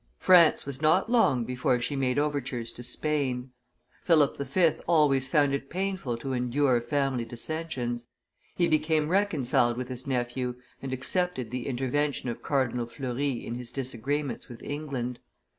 France was not long before she made overtures to Spain. Philip V. always found it painful to endure family dissensions; he became reconciled with his nephew, and accepted the intervention of Cardinal Fleury in his disagreements with England.